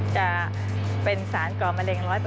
จะเป็นสารก่อมะเร็ง๑๐